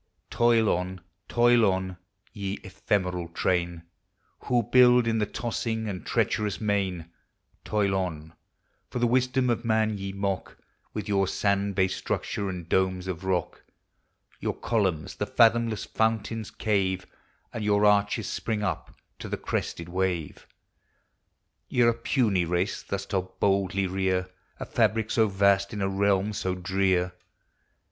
Toil on! toil on! ye ephemeral train, A\ ho build in the tossing and treacherous main; Toil od : for the wisdom of man ye mock, With your sand based structure and domes of rock, Your columns the fathomless fountains' cave, And your arches spring up to the crested wave; Ye 're a puny race thus to boldly rear A fabric so vast in a realm so drear.